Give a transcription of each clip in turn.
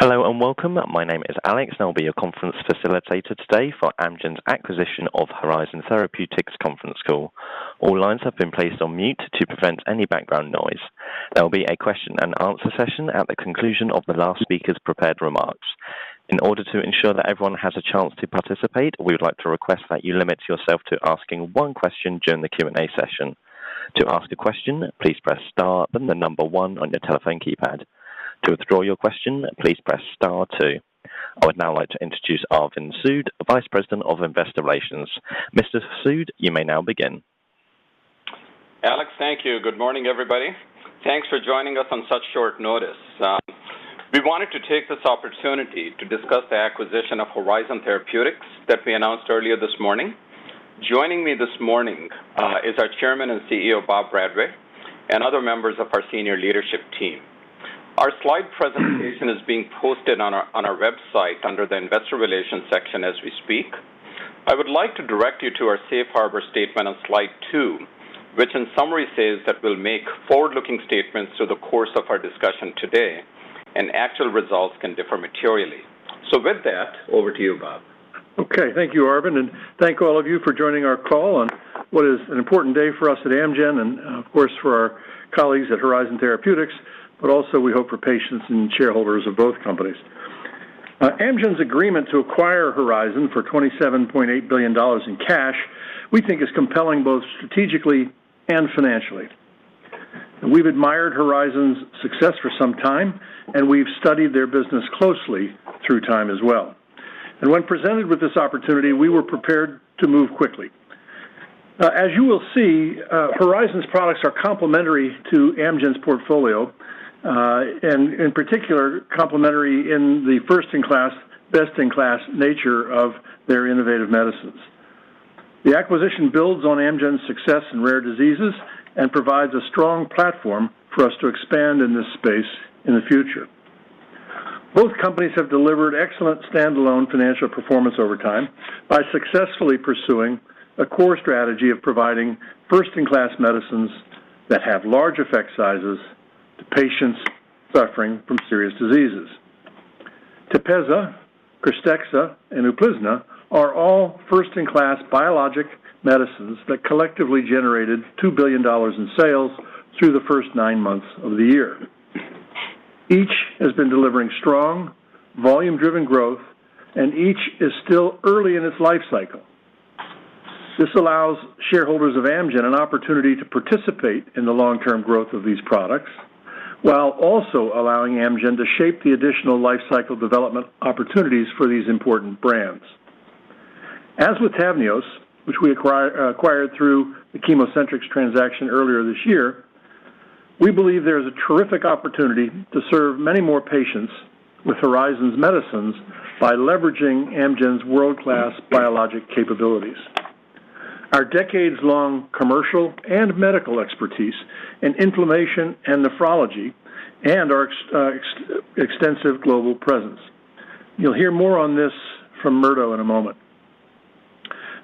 Hello and welcome. My name is Alex, and I'll be your conference facilitator today for Amgen's acquisition of Horizon Therapeutics Conference Call. All lines have been placed on mute to prevent any background noise. There will be a question-and-answer session at the conclusion of the last speaker's prepared remarks. In order to ensure that everyone has a chance to participate, we would like to request that you limit yourself to asking one question during the Q&A session. To ask a question, please press star, then the number one on your telephone keypad. To withdraw your question, please press star two. I would now like to introduce Arvind Sood, Vice President of Investor Relations. Mr. Sood, you may now begin. Alex, thank you. Good morning, everybody. Thanks for joining us on such short notice. We wanted to take this opportunity to discuss the acquisition of Horizon Therapeutics that we announced earlier this morning. Joining me this morning, is our chairman and CEO, Bob Bradway, and other members of our senior leadership team. Our slide presentation is being posted on our website under the Investor Relations section as we speak. I would like to direct you to our safe harbor statement on slide two, which in summary says that we'll make forward-looking statements through the course of our discussion today and actual results can differ materially. With that, over to you, Bob. Okay. Thank you, Arvind, and thank all of you for joining our call on what is an important day for us at Amgen and, of course, for our colleagues at Horizon Therapeutics, but also we hope for patients and shareholders of both companies. Amgen's agreement to acquire Horizon for $27.8 billion in cash, we think is compelling both strategically and financially. We've admired Horizon's success for some time, and we've studied their business closely through time as well. When presented with this opportunity, we were prepared to move quickly. As you will see, Horizon's products are complementary to Amgen's portfolio, and in particular, complementary in the first-in-class, best-in-class nature of their innovative medicines. The acquisition builds on Amgen's success in rare diseases and provides a strong platform for us to expand in this space in the future. Both companies have delivered excellent standalone financial performance over time by successfully pursuing a core strategy of providing first-in-class medicines that have large effect sizes to patients suffering from serious diseases. TEPEZZA, KRYSTEXXA, and UPLIZNA are all first-in-class biologic medicines that collectively generated $2 billion in sales through the first nine months of the year. Each has been delivering strong, volume-driven growth, and each is still early in its life cycle. This allows shareholders of Amgen an opportunity to participate in the long-term growth of these products while also allowing Amgen to shape the additional life cycle development opportunities for these important brands. As with TAVNEOS, which we acquired through the ChemoCentryx transaction earlier this year, we believe there is a terrific opportunity to serve many more patients with Horizon's medicines by leveraging Amgen's world-class biologic capabilities. Our decades-long commercial and medical expertise in inflammation and nephrology and our extensive global presence. You'll hear more on this from Murdo in a moment.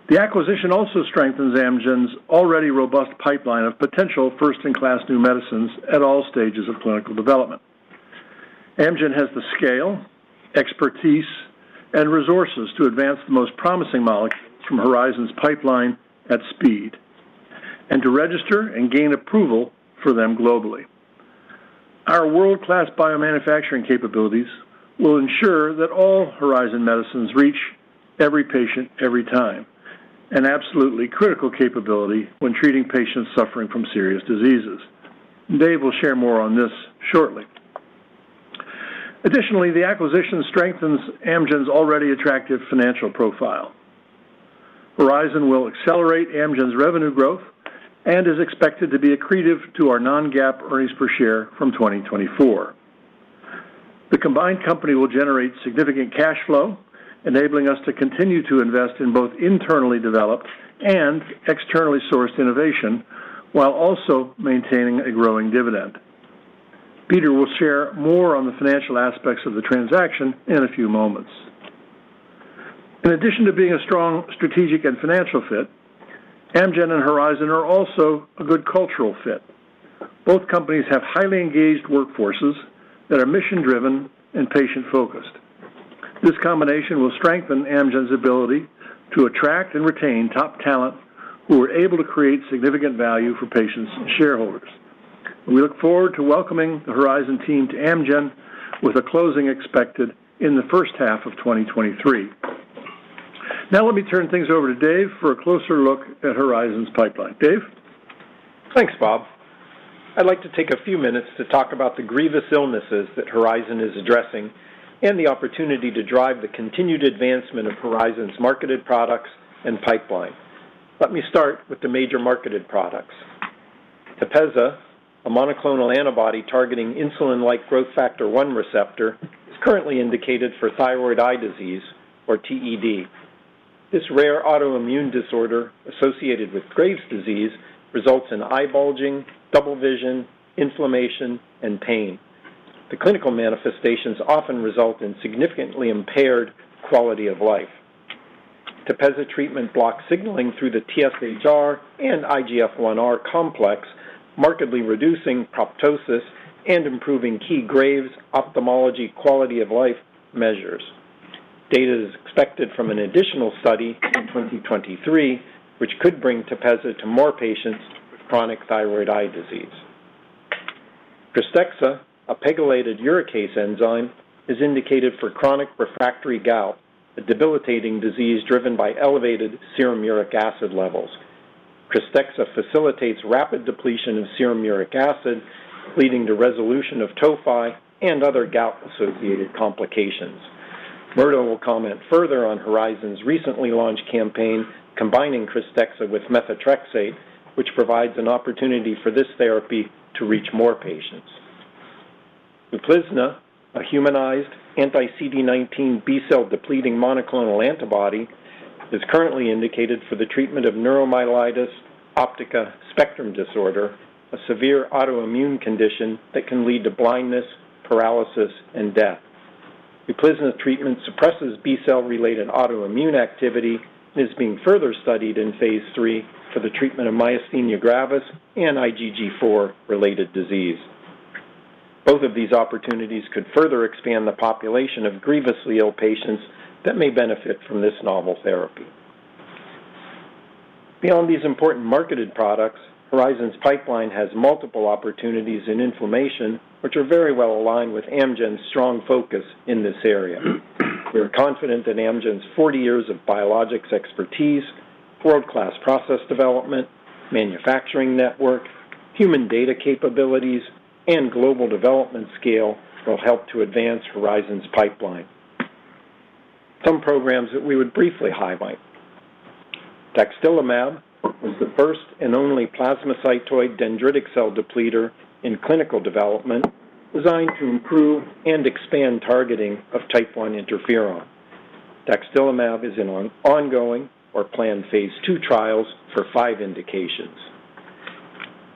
The acquisition also strengthens Amgen's already robust pipeline of potential first-in-class new medicines at all stages of clinical development. Amgen has the scale, expertise, and resources to advance the most promising molecules from Horizon's pipeline at speed and to register and gain approval for them globally. Our world-class biomanufacturing capabilities will ensure that all Horizon medicines reach every patient every time, an absolutely critical capability when treating patients suffering from serious diseases. David will share more on this shortly. The acquisition strengthens Amgen's already attractive financial profile. Horizon will accelerate Amgen's revenue growth and is expected to be accretive to our non-GAAP earnings per share from 2024. The combined company will generate significant cash flow, enabling us to continue to invest in both internally developed and externally sourced innovation, while also maintaining a growing dividend. Peter will share more on the financial aspects of the transaction in a few moments. In addition to being a strong strategic and financial fit, Amgen and Horizon are also a good cultural fit. Both companies have highly engaged workforces that are mission-driven and patient-focused. This combination will strengthen Amgen's ability to attract and retain top talent who are able to create significant value for patients and shareholders. We look forward to welcoming the Horizon team to Amgen with a closing expected in the first half of 2023. Now, let me turn things over to Dave for a closer look at Horizon's pipeline. Dave? Thanks, Bob. I'd like to take a few minutes to talk about the grievous illnesses that Horizon is addressing and the opportunity to drive the continued advancement of Horizon's marketed products and pipeline. Let me start with the major marketed products. TEPEZZA, a monoclonal antibody targeting insulin-like growth factor-1 receptor, is currently indicated for thyroid eye disease or TED. This rare autoimmune disorder associated with Graves' disease results in eye bulging, double vision, inflammation, and pain. The clinical manifestations often result in significantly impaired quality of life. TEPEZZA treatment blocks signaling through the TSHR and IGF1R complex, markedly reducing proptosis and improving key Graves' ophthalmopathy quality of life measures. Data is expected from an additional study in 2023, which could bring TEPEZZA to more patients with chronic thyroid eye disease. KRYSTEXXA, a PEGylated uricase enzyme, is indicated for chronic refractory gout, a debilitating disease driven by elevated serum uric acid levels. KRYSTEXXA facilitates rapid depletion of serum uric acid, leading to resolution of tophi and other gout-associated complications. Murdo will comment further on Horizon's recently launched campaign combining KRYSTEXXA with methotrexate, which provides an opportunity for this therapy to reach more patients. UPLIZNA, a humanized anti-CD19 B-cell depleting monoclonal antibody, is currently indicated for the treatment of neuromyelitis optica spectrum disorder, a severe autoimmune condition that can lead to blindness, paralysis, and death. UPLIZNA treatment suppresses B-cell-related autoimmune activity and is being further studied in phase III for the treatment of myasthenia gravis and IgG4-related disease. Both of these opportunities could further expand the population of grievously ill patients that may benefit from this novel therapy. Beyond these important marketed products, Horizon's pipeline has multiple opportunities in inflammation, which are very well aligned with Amgen's strong focus in this area. We are confident that Amgen's 40 years of biologics expertise, world-class process development, manufacturing network, human data capabilities, and global development scale will help to advance Horizon's pipeline. Some programs that we would briefly highlight. Daxdilimab is the first and only plasmacytoid dendritic cell depleter in clinical development designed to improve and expand targeting of Type I interferon. Daxdilimab is in ongoing or planned phase II trials for 5 indications.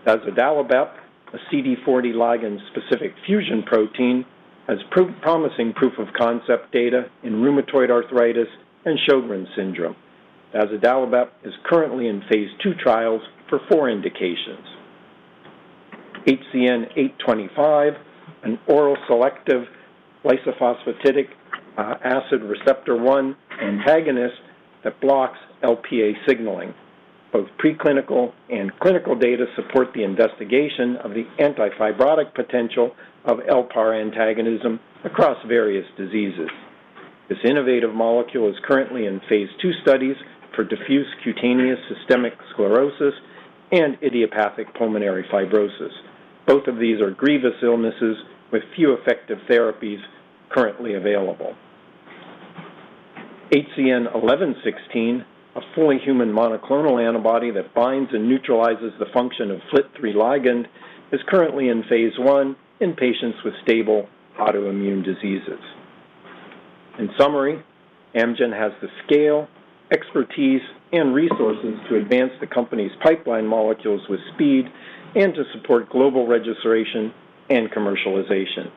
Dazodalibep, a CD40 ligand-specific fusion protein, has promising proof of concept data in rheumatoid arthritis and Sjögren's syndrome. Dazodalibep is currently in phase II trials for four indications. HZN-825, an oral selective lysophosphatidic acid receptor 1 antagonist that blocks LPA signaling. Both preclinical and clinical data support the investigation of the anti-fibrotic potential of LPAR antagonism across various diseases. This innovative molecule is currently in phase II studies for diffuse cutaneous systemic sclerosis and idiopathic pulmonary fibrosis. Both of these are grievous illnesses with few effective therapies currently available. HZN-1116, a fully human monoclonal antibody that binds and neutralizes the function of FLT3 ligand, is currently in phase I in patients with stable autoimmune diseases. In summary, Amgen has the scale, expertise, and resources to advance the company's pipeline molecules with speed and to support global registration and commercialization.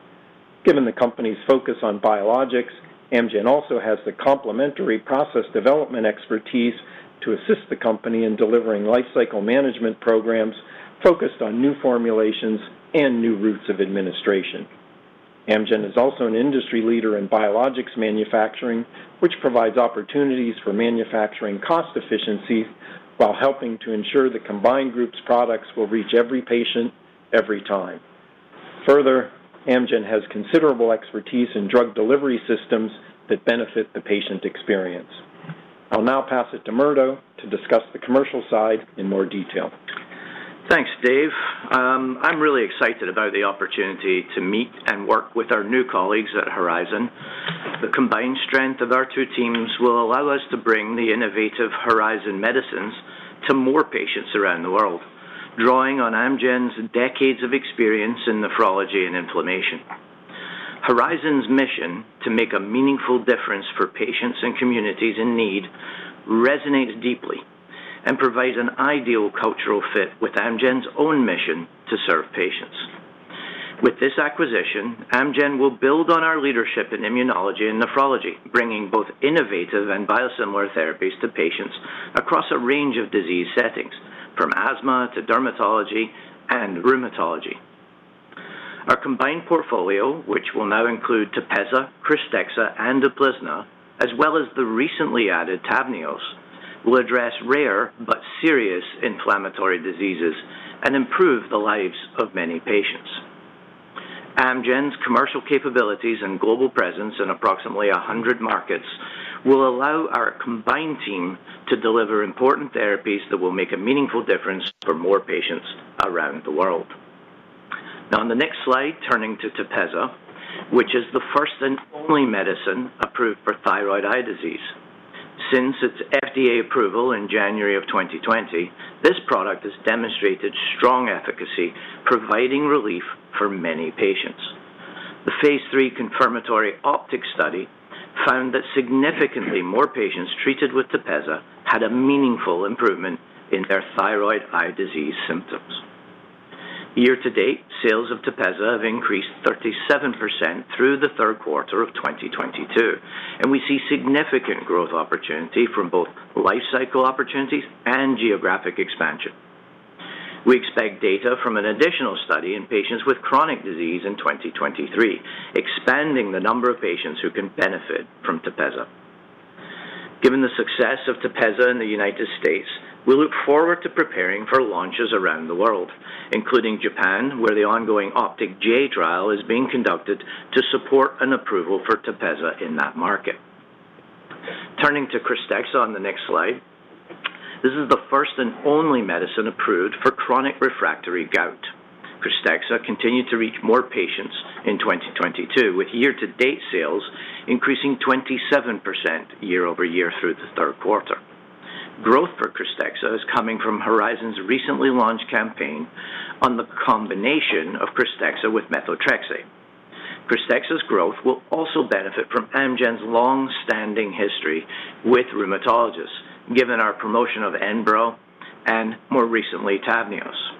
Given the company's focus on biologics, Amgen also has the complementary process development expertise to assist the company in delivering lifecycle management programs focused on new formulations and new routes of administration. Amgen is also an industry leader in biologics manufacturing, which provides opportunities for manufacturing cost efficiency while helping to ensure the combined group's products will reach every patient every time. Further, Amgen has considerable expertise in drug delivery systems that benefit the patient experience. I'll now pass it to Murdo to discuss the commercial side in more detail. Thanks, Dave. I'm really excited about the opportunity to meet and work with our new colleagues at Horizon. The combined strength of our two teams will allow us to bring the innovative Horizon medicines to more patients around the world, drawing on Amgen's decades of experience in nephrology and inflammation. Horizon's mission to make a meaningful difference for patients and communities in need resonates deeply and provides an ideal cultural fit with Amgen's own mission to serve patients. With this acquisition, Amgen will build on our leadership in immunology and nephrology, bringing both innovative and biosimilar therapies to patients across a range of disease settings, from asthma to dermatology and rheumatology. Our combined portfolio, which will now include TEPEZZA, KRYSTEXXA, and UPLIZNA, as well as the recently added TAVNEOS, will address rare but serious inflammatory diseases and improve the lives of many patients. Amgen's commercial capabilities and global presence in approximately 100 markets will allow our combined team to deliver important therapies that will make a meaningful difference for more patients around the world. Now in the next slide, turning to TEPEZZA, which is the first and only medicine approved for thyroid eye disease. Since its FDA approval in January of 2020, this product has demonstrated strong efficacy, providing relief for many patients. The phase III confirmatory OPTIC study found that significantly more patients treated with TEPEZZA had a meaningful improvement in their thyroid eye disease symptoms. Year-to-date sales of TEPEZZA have increased 37% through the third quarter of 2022, and we see significant growth opportunity from both life cycle opportunities and geographic expansion. We expect data from an additional study in patients with chronic disease in 2023, expanding the number of patients who can benefit from TEPEZZA. Given the success of TEPEZZA in the United States, we look forward to preparing for launches around the world, including Japan, where the ongoing OPTIC-J trial is being conducted to support an approval for TEPEZZA in that market. Turning to KRYSTEXXA on the next slide. This is the first and only medicine approved for chronic refractory gout. KRYSTEXXA continued to reach more patients in 2022, with year-to-date sales increasing 27% year-over-year through the third quarter. Growth for KRYSTEXXA is coming from Horizon's recently launched campaign on the combination of KRYSTEXXA with methotrexate. KRYSTEXXA's growth will also benefit from Amgen's long-standing history with rheumatologists, given our promotion of ENBREL and more recently, TAVNEOS.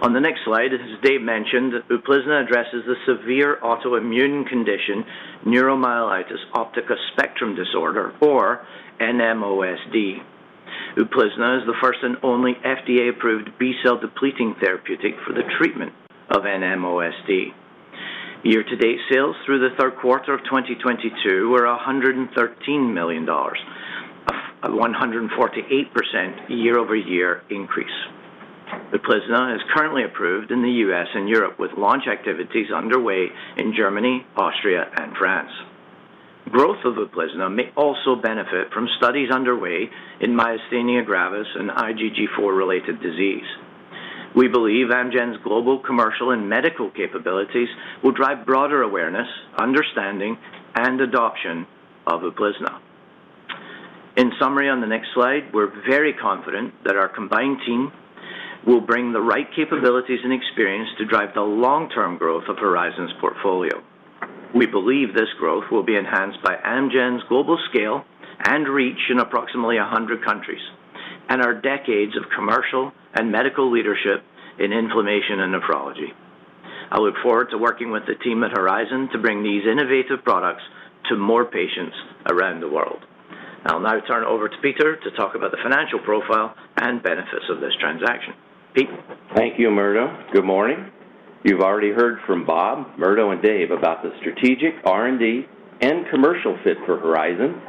On the next slide, as Dave mentioned, UPLIZNA addresses the severe autoimmune condition, neuromyelitis optica spectrum disorder, or NMOSD. UPLIZNA is the first and only FDA-approved B-cell depleting therapeutic for the treatment of NMOSD. Year to date, sales through the third quarter of 2022 were $113 million, a 148% year-over-year increase. UPLIZNA is currently approved in the U.S. and Europe, with launch activities underway in Germany, Austria, and France. Growth of UPLIZNA may also benefit from studies underway in myasthenia gravis and IgG4-related disease. We believe Amgen's global commercial and medical capabilities will drive broader awareness, understanding, and adoption of UPLIZNA. In summary, on the next slide, we're very confident that our combined team will bring the right capabilities and experience to drive the long-term growth of Horizon's portfolio. We believe this growth will be enhanced by Amgen's global scale and reach in approximately 100 countries, and our decades of commercial and medical leadership in inflammation and nephrology. I look forward to working with the team at Horizon to bring these innovative products to more patients around the world. I'll now turn it over to Peter to talk about the financial profile and benefits of this transaction. Pete? Thank you, Murdo. Good morning. You've already heard from Bob, Murdo, and Dave about the strategic R&D and commercial fit for Horizon,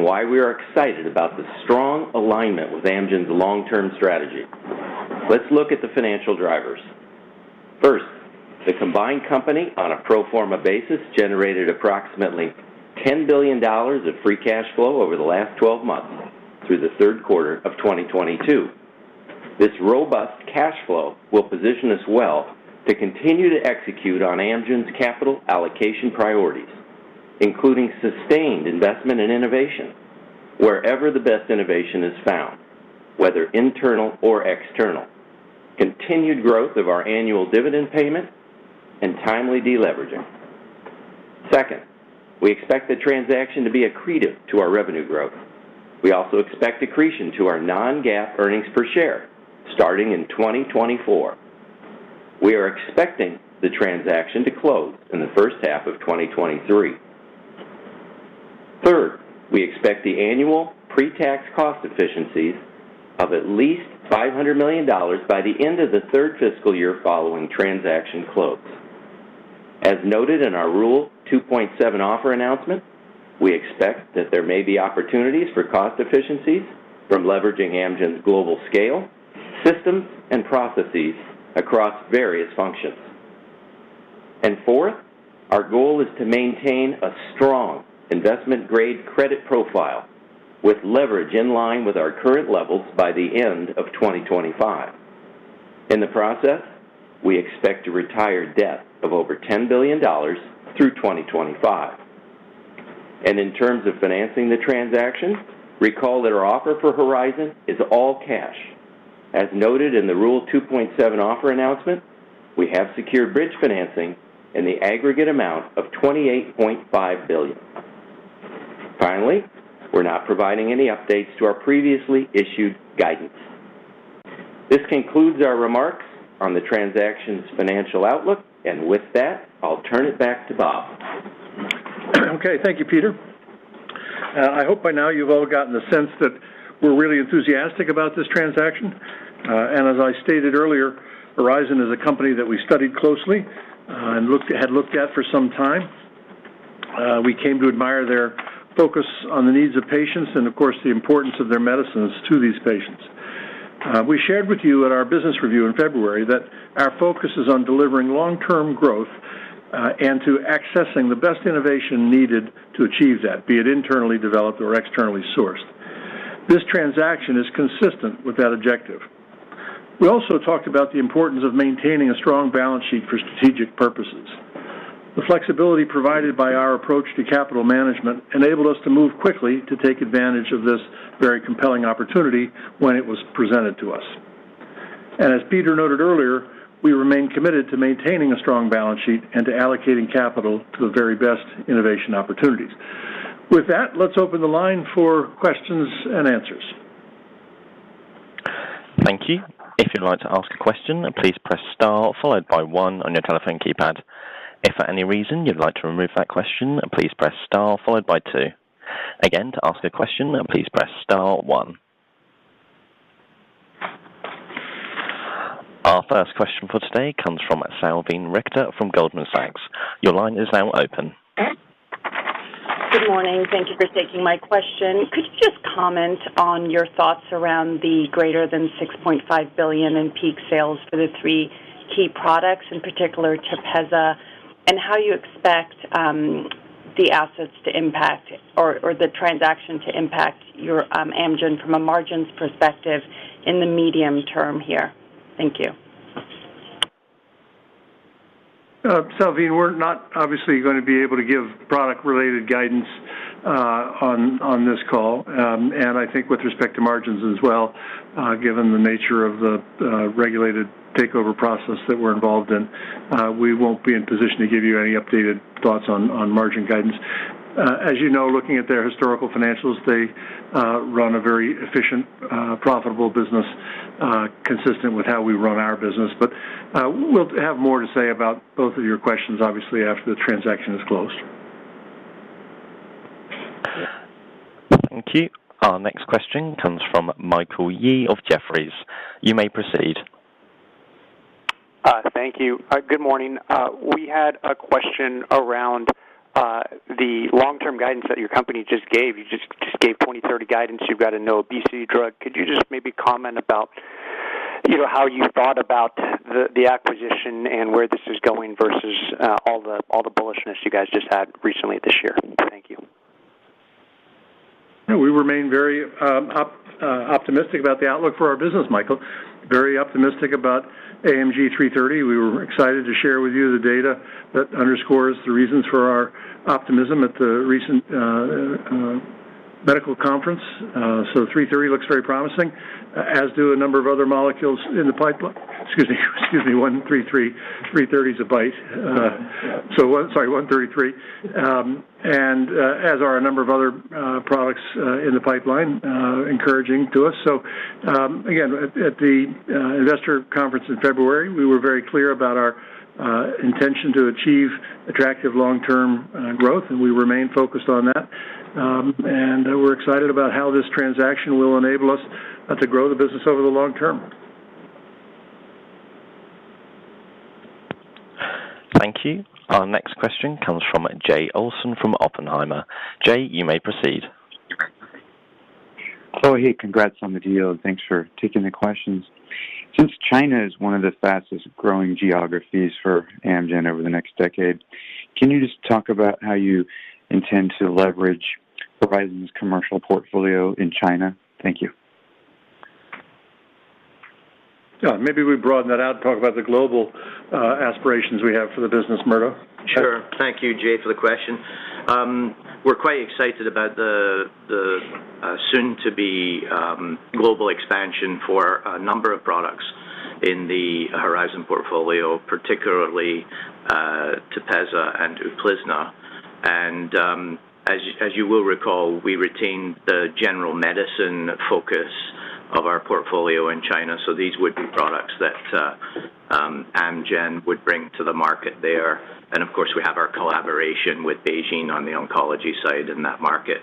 why we are excited about the strong alignment with Amgen's long-term strategy. Let's look at the financial drivers. First, the combined company on a pro forma basis, generated approximately $10 billion of free cash flow over the last 12 months through the third quarter of 2022. This robust cash flow will position us well to continue to execute on Amgen's capital allocation priorities, including sustained investment in innovation wherever the best innovation is found, whether internal or external, continued growth of our annual dividend payment, and timely deleveraging. Second, we expect the transaction to be accretive to our revenue growth. We also expect accretion to our non-GAAP earnings per share starting in 2024. We are expecting the transaction to close in the first half of 2023. Third, we expect the annual pre-tax cost efficiencies of at least $500 million by the end of the third fiscal year following transaction close. As noted in our Rule 2.7 offer announcement, we expect that there may be opportunities for cost efficiencies from leveraging Amgen's global scale, systems, and processes across various functions. Fourth, our goal is to maintain a strong investment-grade credit profile with leverage in line with our current levels by the end of 2025. In the process, we expect to retire debt of over $10 billion through 2025. In terms of financing the transaction, recall that our offer for Horizon is all cash. As noted in the Rule 2.7 offer announcement, we have secured bridge financing in the aggregate amount of $28.5 billion. Finally, we're not providing any updates to our previously issued guidance. This concludes our remarks on the transaction's financial outlook. With that, I'll turn it back to Bob. Okay, thank you, Peter. I hope by now you've all gotten the sense that we're really enthusiastic about this transaction. As I stated earlier, Horizon is a company that we studied closely, and looked at for some time. We came to admire their focus on the needs of patients and of course, the importance of their medicines to these patients. We shared with you at our business review in February that our focus is on delivering long-term growth, and to accessing the best innovation needed to achieve that, be it internally developed or externally sourced. This transaction is consistent with that objective. We also talked about the importance of maintaining a strong balance sheet for strategic purposes. The flexibility provided by our approach to capital management enabled us to move quickly to take advantage of this very compelling opportunity when it was presented to us. As Peter noted earlier, we remain committed to maintaining a strong balance sheet and to allocating capital to the very best innovation opportunities. With that, let's open the line for questions and answers. Thank you. If you'd like to ask a question, please press star followed by one on your telephone keypad. If for any reason you'd like to remove that question, please press star followed by two. Again, to ask a question, please press star one. Our first question for today comes from Salveen Richter from Goldman Sachs. Your line is now open. Good morning. Thank you for taking my question. Could you just comment on your thoughts around the greater than $6.5 billion in peak sales for the three key products, in particular, TEPEZZA, and how you expect the assets to impact or the transaction to impact your Amgen from a margins perspective in the medium term here? Thank you. Salveen, we're not obviously gonna be able to give product-related guidance on this call. I think with respect to margins as well, given the nature of the regulated takeover process that we're involved in, we won't be in position to give you any updated thoughts on margin guidance. As you know, looking at their historical financials, they run a very efficient, profitable business, consistent with how we run our business. We'll have more to say about both of your questions, obviously, after the transaction is closed. Thank you. Our next question comes from Michael Yee of Jefferies. You may proceed. Thank you. Good morning. We had a question around the long-term guidance that your company just gave. You just gave 2030 guidance. You've got a no obesity drug. Could you just maybe comment about, you know, how you thought about the acquisition and where this is going versus all the bullishness you guys just had recently this year? Thank you. We remain very optimistic about the outlook for our business, Michael. Very optimistic about AMG 330. We were excited to share with you the data that underscores the reasons for our optimism at the recent medical conference. 330 looks very promising, as do a number of other molecules. Excuse me, 133. 330 is a BiTE. Sorry, 133. As a number of other products in the pipeline encouraging to us. Again, at the investor conference in February, we were very clear about our intention to achieve attractive long-term growth, and we remain focused on that. We're excited about how this transaction will enable us to grow the business over the long term. Thank you. Our next question comes from Jay Olson from Oppenheimer. Jay, you may proceed. Chloe, congrats on the deal, and thanks for taking the questions. Since China is one of the fastest-growing geographies for Amgen over the next decade, can you just talk about how you intend to leverage Horizon's commercial portfolio in China? Thank you. Yeah. Maybe we broaden that out and talk about the global aspirations we have for the business, Murdo. Sure. Thank you, Jay, for the question. We're quite excited about the soon-to-be global expansion for a number of products in the Horizon portfolio, particularly TEPEZZA and UPLIZNA. As you will recall, we retained the general medicine focus of our portfolio in China, so these would be products that Amgen would bring to the market there. Of course, we have our collaboration with BeiGene on the oncology side in that market.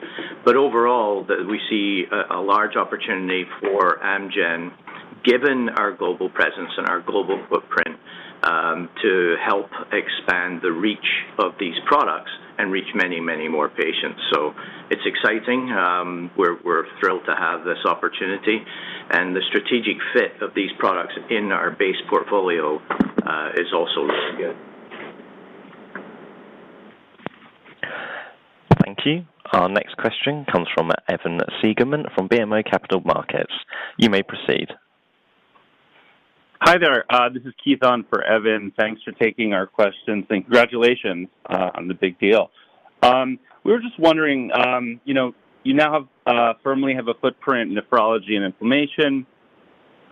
Overall, we see a large opportunity for Amgen, given our global presence and our global footprint, to help expand the reach of these products and reach many, many more patients. It's exciting. We're thrilled to have this opportunity, and the strategic fit of these products in our base portfolio is also really good. Thank you. Our next question comes from Keith from BMO Capital Markets. You may proceed. Hi there. This is Keith on for Evan. Thanks for taking our questions, and congratulations on the big deal. We were just wondering, you know, you now have firmly have a footprint in nephrology and inflammation,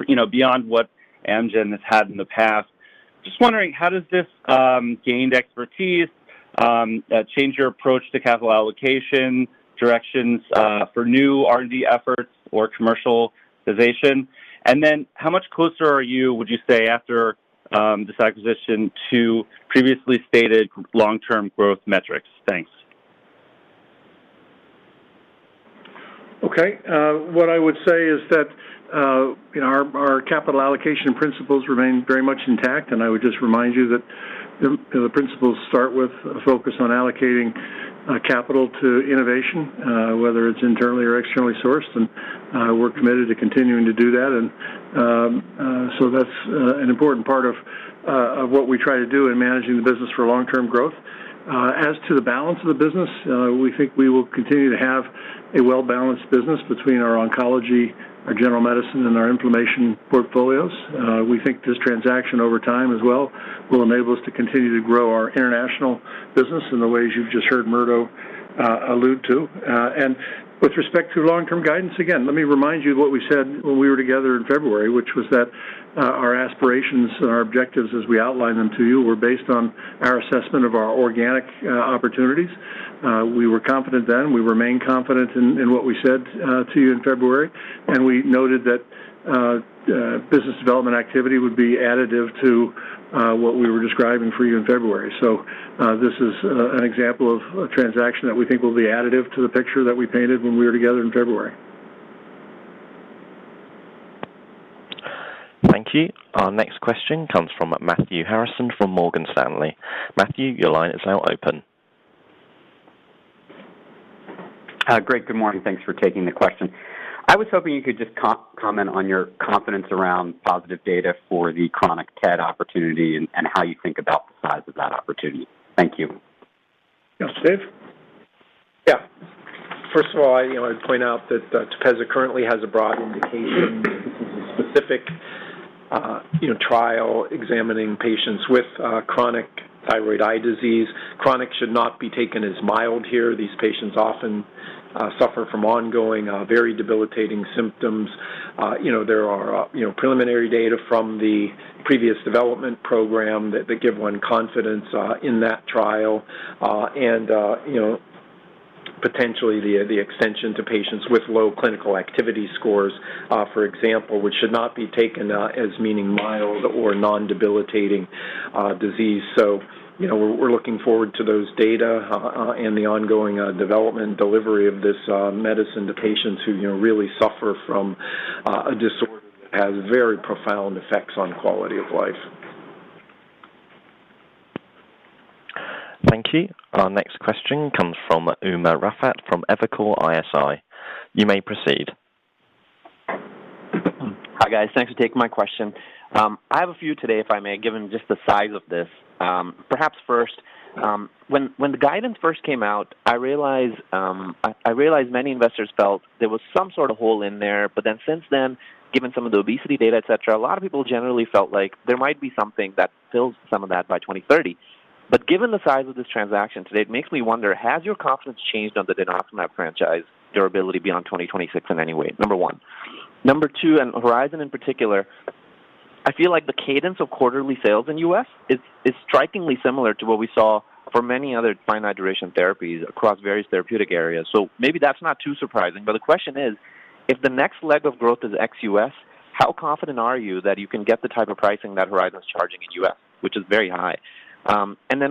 you know, beyond what Amgen has had in the past. Just wondering, how does this gained expertise change your approach to capital allocation, directions, for new R&D efforts or commercialization? How much closer are you, would you say, after this acquisition to previously stated long-term growth metrics? Thanks. Okay. What I would say is that our capital allocation principles remain very much intact. I would just remind you that the principles start with a focus on allocating capital to innovation, whether it's internally or externally sourced, and we're committed to continuing to do that. So that's an important part of what we try to do in managing the business for long-term growth. As to the balance of the business, we think we will continue to have a well-balanced business between our oncology, our general medicine, and our inflammation portfolios. We think this transaction over time as well will enable us to continue to grow our international business in the ways you've just heard Murdo allude to. With respect to long-term guidance, again, let me remind you of what we said when we were together in February, which was that our aspirations and our objectives, as we outlined them to you, were based on our assessment of our organic opportunities. We were confident then. We remain confident in what we said to you in February, we noted that business development activity would be additive to what we were describing for you in February. This is an example of a transaction that we think will be additive to the picture that we painted when we were together in February. Thank you. Our next question comes from Matthew Harrison, from Morgan Stanley. Matthew, your line is now open. Greg, good morning. Thanks for taking the question. I was hoping you could just comment on your confidence around positive data for the chronic TED opportunity and how you think about the size of that opportunity. Thank you. Yes. Dave? First of all, you know, I'd point out that TEPEZZA currently has a broad indication, specific trial examining patients with chronic thyroid eye disease. Chronic should not be taken as mild here. These patients often suffer from ongoing, very debilitating symptoms. You know, there are preliminary data from the previous development program that give one confidence in that trial. And, you know, potentially the extension to patients with low clinical activity scores, for example, which should not be taken as meaning mild or non-debilitating disease. So, you know, we're looking forward to those data and the ongoing development delivery of this medicine to patients who, you know, really suffer from a disorder that has very profound effects on quality of life. Thank you. Our next question comes from Umer Raffat from Evercore ISI. You may proceed. Hi, guys. Thanks for taking my question. I have a few today, if I may, given just the size of this. Perhaps first, when the guidance first came out, I realized many investors felt there was some sort of hole in there. Since then, given some of the obesity data, et cetera, a lot of people generally felt like there might be something that fills some of that by 2030. Given the size of this transaction today, it makes me wonder, has your confidence changed on the Donanemab franchise durability beyond 2026 in any way? Number one. Number two, Horizon in particular, I feel like the cadence of quarterly sales in U.S. is strikingly similar to what we saw for many other finite duration therapies across various therapeutic areas. Maybe that's not too surprising. The question is, if the next leg of growth is ex-U.S., how confident are you that you can get the type of pricing that Horizon's charging in U.S., which is very high?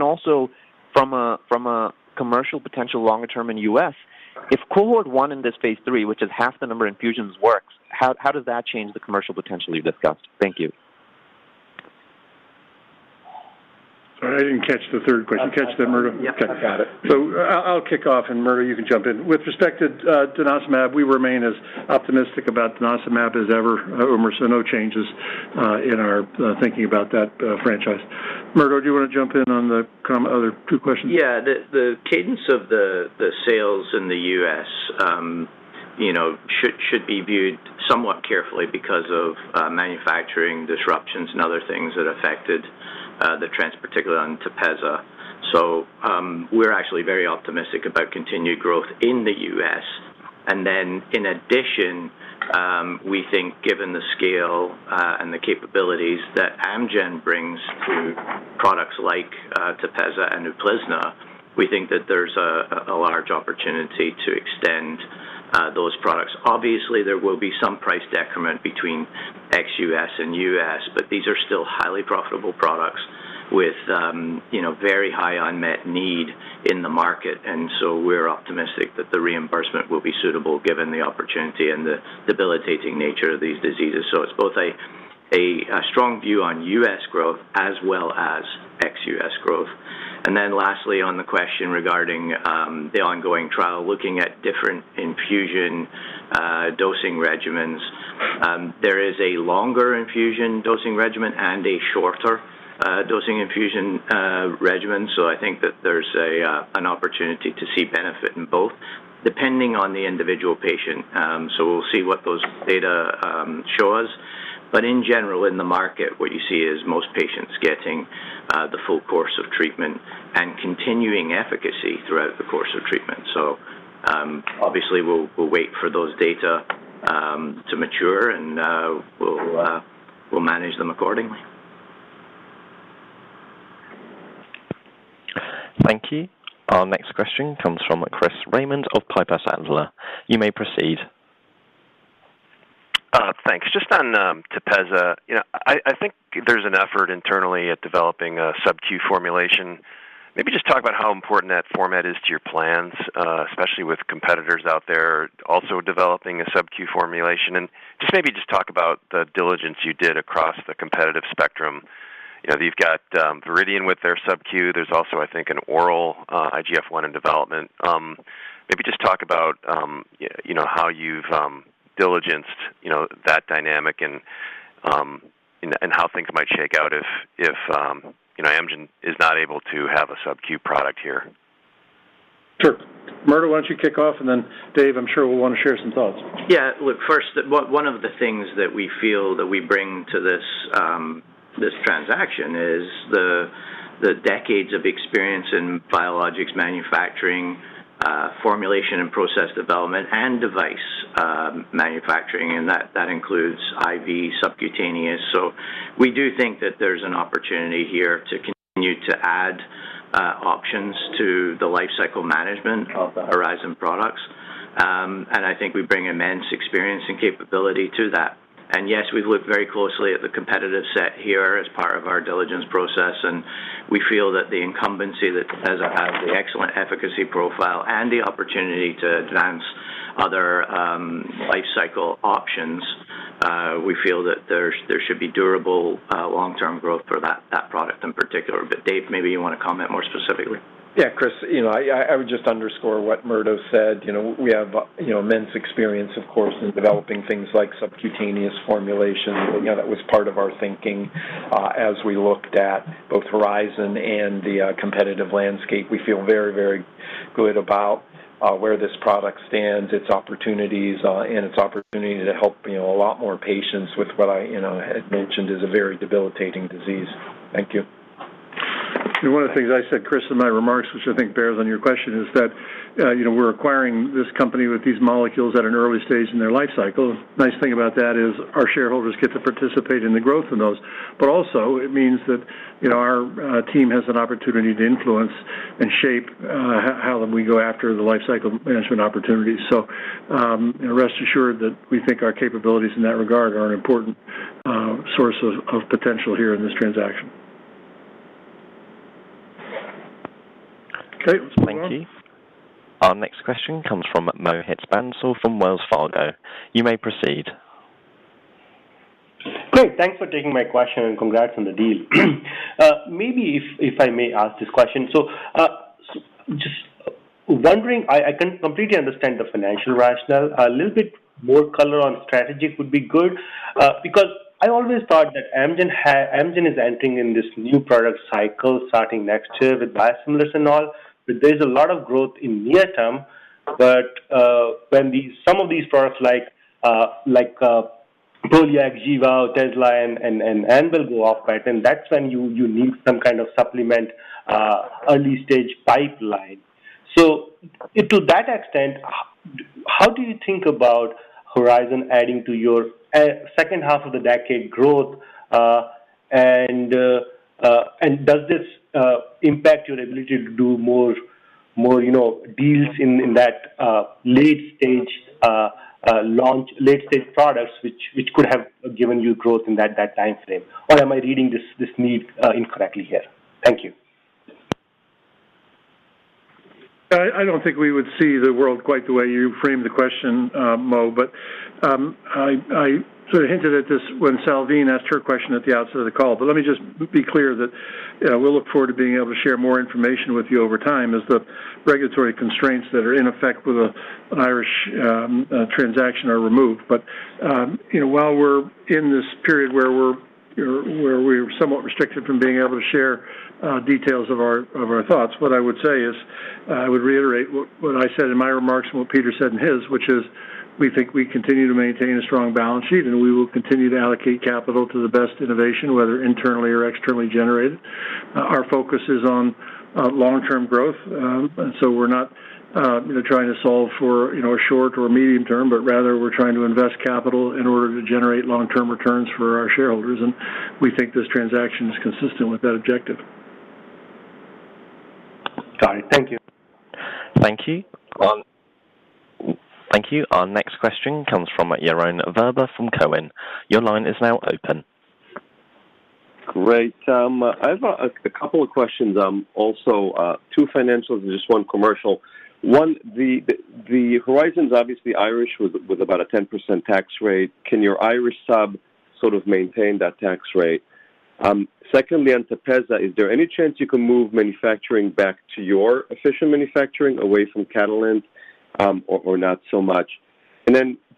Also from a commercial potential longer term in U.S., if cohort one in this phase III, which is half the number infusions works, how does that change the commercial potential you've discussed? Thank you. Sorry, I didn't catch the third question. Catch that, Murdo? Yeah. I've got it. I'll kick off, and Murdo, you can jump in. With respect to donanemab, we remain as optimistic about donanemab as ever, Umer. No changes in our thinking about that franchise. Murdo, do you wanna jump in on the other two questions? Yeah. The cadence of the sales in the U.S., you know, should be viewed somewhat carefully because of manufacturing disruptions and other things that affected the trends, particularly on TEPEZZA. We're actually very optimistic about continued growth in the U.S. In addition, we think given the scale and the capabilities that Amgen brings to products like TEPEZZA and UPLIZNA, we think that there's a large opportunity to extend those products. Obviously, there will be some price decrement between ex-U.S. and U.S., but these are still highly profitable products with, you know, very high unmet need in the market. We're optimistic that the reimbursement will be suitable given the opportunity and the debilitating nature of these diseases. It's both a strong view on U.S. growth as well as ex-U.S. growth. Lastly, on the question regarding the ongoing trial, looking at different infusion dosing regimens. There is a longer infusion dosing regimen and a shorter dosing infusion regimen. I think that there's an opportunity to see benefit in both depending on the individual patient. We'll see what those data show us. In general, in the market, what you see is most patients getting the full course of treatment and continuing efficacy throughout the course of treatment. Obviously we'll wait for those data to mature and we'll manage them accordingly. Thank you. Our next question comes from Chris Raymond of Piper Sandler. You may proceed. Thanks. Just on TEPEZZA. You know, I think there's an effort internally at developing as subq formulation. Maybe just talk about how important that format is to your plans, especially with competitors out there also developing a subq formulation formulation. Just maybe just talk about the diligence you did across the competitive spectrum. You know, you've got Viridian with their subq. There's also, I think, an oral IGF-1 in development. Maybe just talk about, you know, how you've diligenced that dynamic and how things might shake out if Amgen is not able to have a subq product here? Sure. Murdo, why don't you kick off, and then Dave, I'm sure will wanna share some thoughts. Yeah. Look, first, one of the things that we feel that we bring to this transaction is the decades of experience in biologics manufacturing, formulation and process development and device manufacturing, that includes IV, subcutaneous. We do think that there's an opportunity here to continue to add options to the life cycle management of the Horizon products. I think we bring immense experience and capability to that. Yes, we've looked very closely at the competitive set here as part of our diligence process, and we feel that the incumbency that has the excellent efficacy profile and the opportunity to advance other life cycle options, we feel that there should be durable long-term growth for that product in particular. Dave, maybe you wanna comment more specifically. Yeah, Chris, you know, I would just underscore what Murdo said. You know, we have, you know, immense experience, of course, in developing things like subcutaneous formulations. You know, that was part of our thinking as we looked at both Horizon and the competitive landscape. We feel very, very good about where this product stands, its opportunities, and its opportunity to help, you know, a lot more patients with what I, you know, had mentioned is a very debilitating disease. Thank you. One of the things I said, Chris, in my remarks, which I think bears on your question, is that, you know, we're acquiring this company with these molecules at an early stage in their life cycle. Nice thing about that is our shareholders get to participate in the growth of those. Also it means that, you know, our team has an opportunity to influence and shape how we go after the life cycle management opportunities. Rest assured that we think our capabilities in that regard are an important source of potential here in this transaction. Okay. Thank you. Our next question comes from Mohit Bansal from Wells Fargo. You may proceed. Great. Thanks for taking my question. Congrats on the deal. Maybe if I may ask this question. Just wondering, I can completely understand the financial rationale. A little bit more color on strategy would be good because I always thought that Amgen is entering in this new product cycle starting next year with biosimilars and all. There's a lot of growth in near term, but when some of these products like, Prolia, XGEVA, TEZSPIRE and Enbrel go off, right? That's when you need some kind of supplement, early-stage pipeline. To that extent, how do you think about Horizon adding to your second half of the decade growth? Does this impact your ability to do more, you know, deals in that late stage products which could have given you growth in that timeframe? Am I reading this need incorrectly here? Thank you. I don't think we would see the world quite the way you framed the question, Mo, but I sort of hinted at this when Salveen asked her question at the outset of the call. Let me just be clear that, you know, we look forward to being able to share more information with you over time as the regulatory constraints that are in effect with the Irish transaction are removed. You know, while we're in this period where we're somewhat restricted from being able to share details of our thoughts, what I would say is, I would reiterate what I said in my remarks and what Peter said in his, which is we think we continue to maintain a strong balance sheet, and we will continue to allocate capital to the best innovation, whether internally or externally generated. Our focus is on long-term growth. We're not, you know, trying to solve for, you know, short or medium term, but rather we're trying to invest capital in order to generate long-term returns for our shareholders, and we think this transaction is consistent with that objective. Got it. Thank you. Thank you. Our next question comes from Yaron Werber from Cowen. Your line is now open. Great. I have a couple of questions. Also, two financials and just one commercial. One, the Horizon's obviously Irish with about a 10% tax rate. Can your Irish sub sort of maintain that tax rate? Secondly, on TEPEZZA, is there any chance you can move manufacturing back to your official manufacturing away from Catalent, or not so much?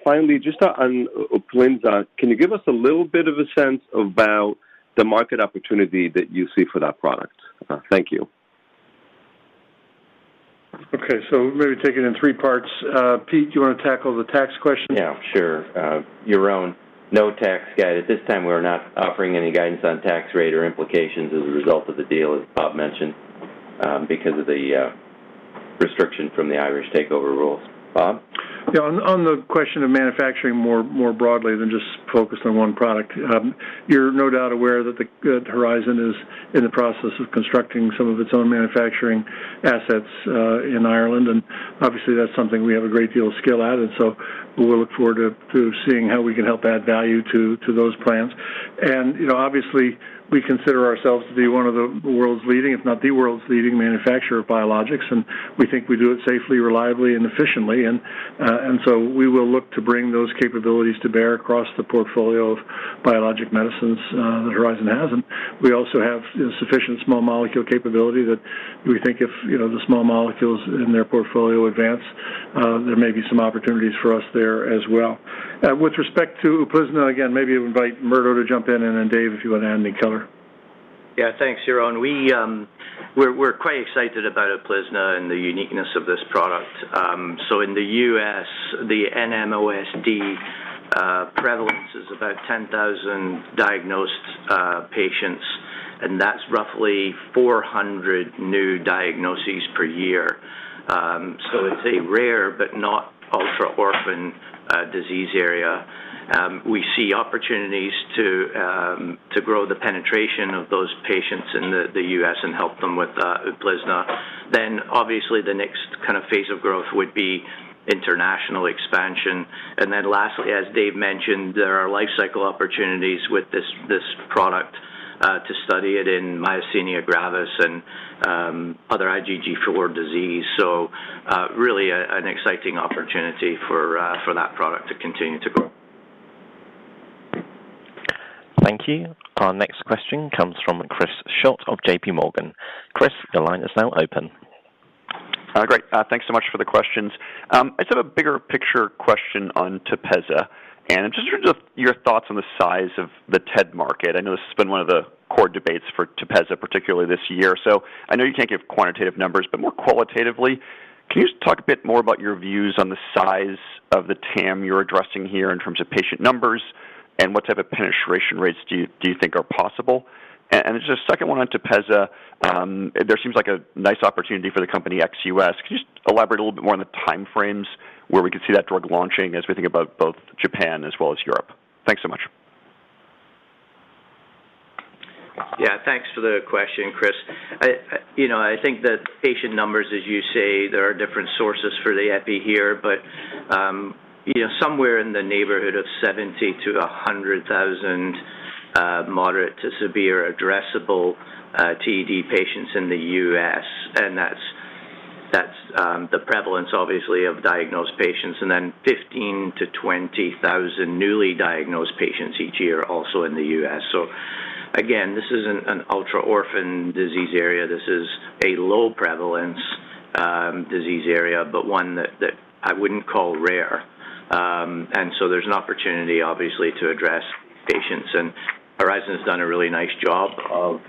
Finally, just on UPLIZNA, can you give us a little bit of a sense about the market opportunity that you see for that product? Thank you. Okay. Maybe take it in three parts. Pete, do you wanna tackle the tax question? Yeah, sure. Yaron, no tax guide. At this time, we're not offering any guidance on tax rate or implications as a result of the deal, as Bob mentioned, because of the restriction from the Irish Takeover Rules. Bob? Yeah, on the question of manufacturing more broadly than just focused on one product, you're no doubt aware that Horizon is in the process of constructing some of its own manufacturing assets in Ireland, and obviously that's something we have a great deal of skill at. We'll look forward to seeing how we can help add value to those plans. You know, obviously, we consider ourselves to be one of the world's leading, if not the world's leading manufacturer of biologics, and we think we do it safely, reliably, and efficiently. We will look to bring those capabilities to bear across the portfolio of biologic medicines that Horizon has. We also have sufficient small molecule capability that we think if, you know, the small molecules in their portfolio advance, there may be some opportunities for us there as well. With respect to UPLIZNA, again, maybe invite Murdo to jump in, and then Dave, if you wanna add any color. Thanks, Yaron. We're quite excited about UPLIZNA and the uniqueness of this product. In the U.S., the NMOSD prevalence is about 10,000 diagnosed patients. That's roughly 400 new diagnoses per year. It's a rare but not ultra-orphan disease area. We see opportunities to grow the penetration of those patients in the U.S. and help them with UPLIZNA. Obviously the next kind of phase of growth would be international expansion. Lastly, as Dave mentioned, there are life cycle opportunities with this product to study it in myasthenia gravis and other IgG4-related disease. Really an exciting opportunity for that product to continue to grow. Thank you. Our next question comes from Chris Schott of JPMorgan. Chris, your line is now open. Great. Thanks so much for the questions. I just have a bigger picture question on TEPEZZA, and just in terms of your thoughts on the size of the TED market, I know this has been one of the core debates for TEPEZZA, particularly this year. I know you can't give quantitative numbers, but more qualitatively, can you just talk a bit more about your views on the size of the TAM you're addressing here in terms of patient numbers, and what type of penetration rates do you think are possible? Just a second one on TEPEZZA. There seems like a nice opportunity for the company ex U.S. Can you just elaborate a little bit more on the time frames where we could see that drug launching as we think about both Japan as well as Europe? Thanks so much. Yeah, thanks for the question, Chris. I, you know, I think that patient numbers, as you say, there are different sources for the EPI here, but, you know, somewhere in the neighborhood of 70- 100,000 moderate to severe addressable TED patients in the U.S., and that's the prevalence obviously of diagnosed patients and then 15-20,000 newly diagnosed patients each year also in the U.S. Again, this isn't an ultra-orphan disease area. This is a low-prevalence disease area, but one that I wouldn't call rare. And so there's an opportunity obviously to address patients. Horizon's done a really nice job of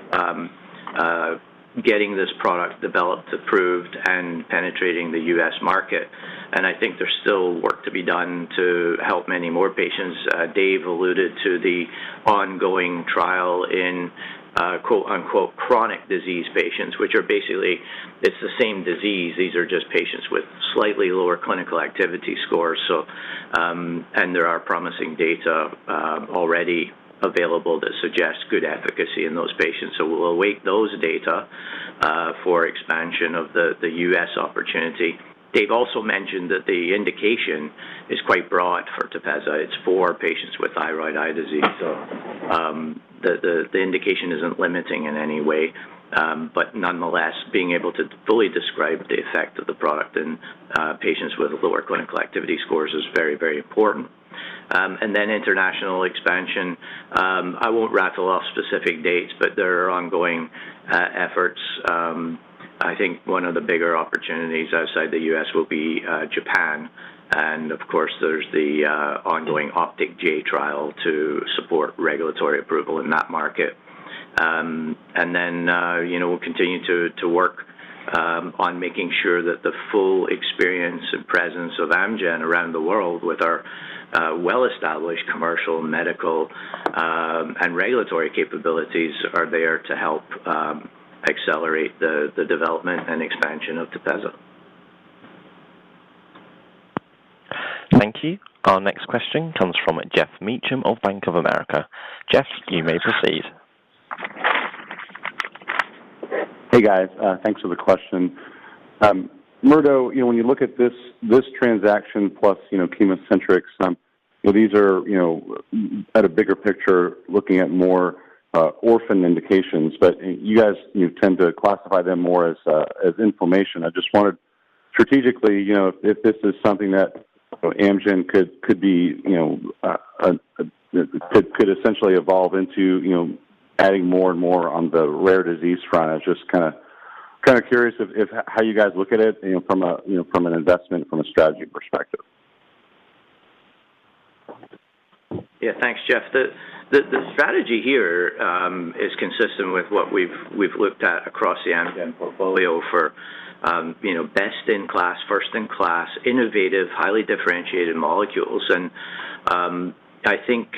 getting this product developed, approved, and penetrating the U.S. market. I think there's still work to be done to help many more patients. Dave alluded to the ongoing trial in quote-unquote, "chronic disease patients," which are basically, it's the same disease. These are just patients with slightly lower clinical activity scores. There are promising data already available that suggests good efficacy in those patients. We'll await those data for expansion of the U.S. opportunity. Dave also mentioned that the indication is quite broad for TEPEZZA. It's for patients with thyroid eye disease, the, the indication isn't limiting in any way. Nonetheless, being able to fully describe the effect of the product in patients with lower clinical activity scores is very, very important. International expansion. I won't rattle off specific dates, there are ongoing efforts. I think one of the bigger opportunities outside the U.S. will be Japan, of course, there's the ongoing OPTIC-J trial to support regulatory approval in that market. Then, you know, we'll continue to work on making sure that the full experience and presence of Amgen around the world with our well-established commercial, medical, and regulatory capabilities are there to help accelerate the development and expansion of TEPEZZA. Thank you. Our next question comes from Geoff Meacham of Bank of America. Geoff, you may proceed. Hey, guys. Thanks for the question. Murdo, you know, when you look at this transaction plus, you know, ChemoCentryx, these are, you know, at a bigger picture, looking at more orphan indications, but you guys tend to classify them more as inflammation. I just wondered strategically, you know, if this is something that Amgen could essentially evolve into, you know, adding more and more on the rare disease front. I was just kinda curious if how you guys look at it, you know, from a, you know, from an investment, from a strategy perspective? Yeah. Thanks, Geoff. The strategy here is consistent with what we've looked at across the Amgen portfolio for, you know, best in class, first in class, innovative, highly differentiated molecules. I think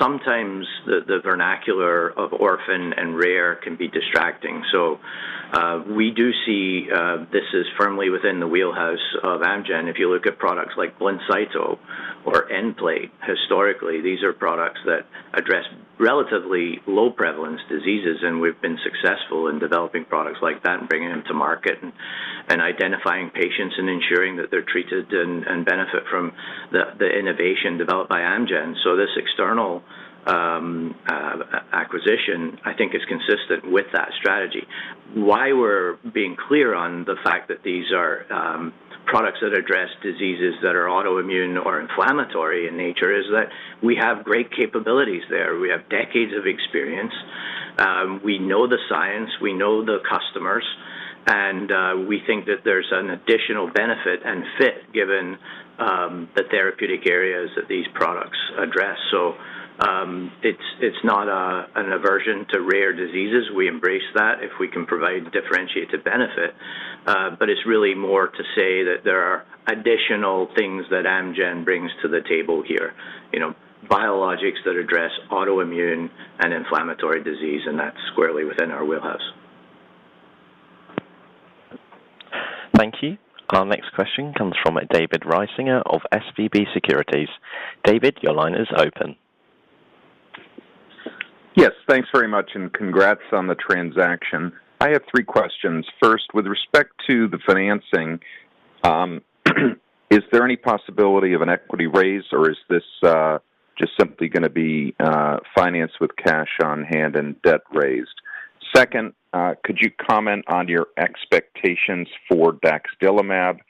sometimes the vernacular of orphan and rare can be distracting. We do see this is firmly within the wheelhouse of Amgen. If you look at products like BLINCYTO or IMLYGIC, historically, these are products that address relatively low prevalence diseases, and we've been successful in developing products like that and bringing them to market and identifying patients and ensuring that they're treated and benefit from the innovation developed by Amgen. This external acquisition, I think is consistent with that strategy. Why we're being clear on the fact that these are products that address diseases that are autoimmune or inflammatory in nature is that we have great capabilities there. We have decades of experience. We know the science, we know the customers, and we think that there's an additional benefit and fit given the therapeutic areas that these products address. It's not an aversion to rare diseases. We embrace that if we can provide differentiated benefit. It's really more to say that there are additional things that Amgen brings to the table here, you know, biologics that address autoimmune and inflammatory disease, and that's squarely within our wheelhouse. Thank you. Our next question comes from David Risinger of SVB Securities. David, your line is open. Yes, thanks very much and congrats on the transaction. I have three questions. First, with respect to the financing, is there any possibility of an equity raise, or is this just simply gonna be financed with cash on hand and debt raised? Second, could you comment on your expectations for daxdilimab?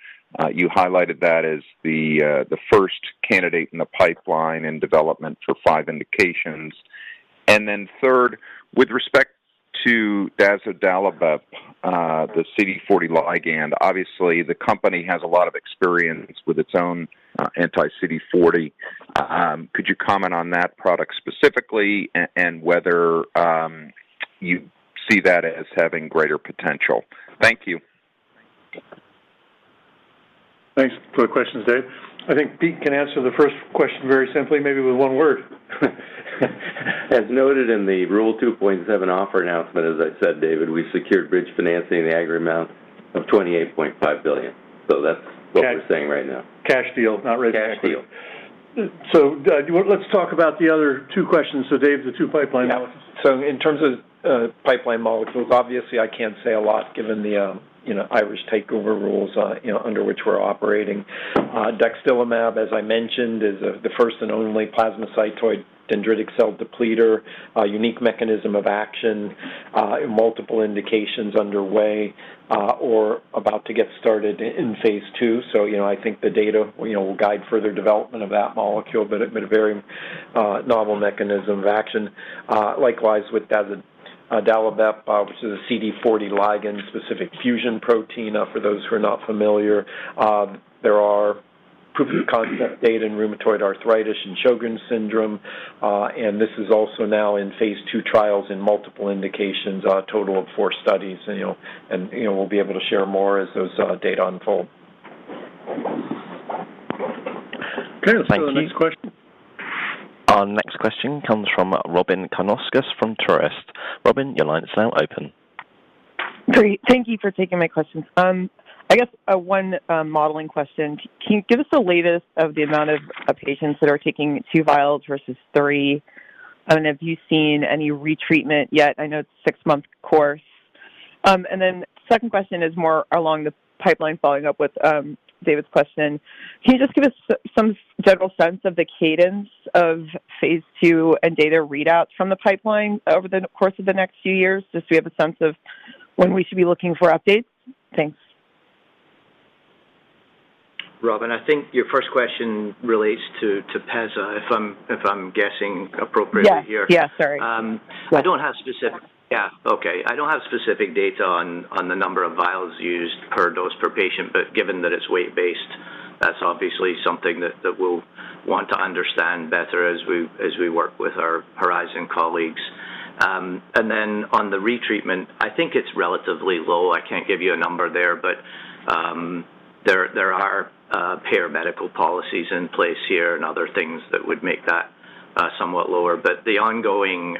You highlighted that as the first candidate in the pipeline in development for five indications. Third, with respect to dazodalibep, the CD40 ligand, obviously, the company has a lot of experience with its own anti-CD40. Could you comment on that product specifically and whether you see that as having greater potential? Thank you. Thanks for the questions, Dave. I think Pete can answer the first question very simply, maybe with one word. As noted in the Rule 2.7 offer announcement, as I said, David, we secured bridge financing in the aggregate amount of $28.5 billion. That's what we're saying right now. Cash deal, not really. Cash deal. Let's talk about the other two questions. Dave, the two pipeline molecules. In terms of pipeline molecules, obviously, I can't say a lot given the, you know, Irish takeover rules, you know, under which we're operating. Daxdilimab, as I mentioned, is the first and only plasmacytoid dendritic cell depleter, a unique mechanism of action, in multiple indications underway, or about to get started in phase II. You know, I think the data, you know, will guide further development of that molecule, but at a very novel mechanism of action. Likewise with dazodalibep, which is a CD40 ligand-specific fusion protein, for those who are not familiar. There are proof of concept data in rheumatoid arthritis and Sjögren's syndrome, and this is also now in phase II trials in multiple indications, a total of four studies. You know, and, you know, we'll be able to share more as those data unfold. Okay, let's go to the next question. Thank you. Our next question comes from Robyn Karnauskas from Truist. Robyn, your line is now open. Great. Thank you for taking my questions. I guess, one modeling question. Can you give us the latest of the amount of patients that are taking 2 vials versus 3? Have you seen any retreatment yet? I know it's a 6-month course. Second question is more along the pipeline, following up with David's question. Can you just give us some general sense of the cadence of phase II and data readouts from the pipeline over the course of the next few years, just so we have a sense of when we should be looking for updates? Thanks. Robin, I think your first question relates to TEPEZZA, if I'm guessing appropriately here. Yes. Yes, sorry. Yeah. Okay. I don't have specific data on the number of vials used per dose per patient, but given that it's weight-based, that's obviously something that we'll want to understand better as we work with our Horizon colleagues. On the retreatment, I think it's relatively low. I can't give you a number there, but there are paramedical policies in place here and other things that would make that somewhat lower. The ongoing